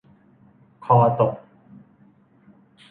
คอตก